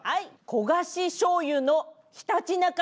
焦がししょうゆのひたちなか三昧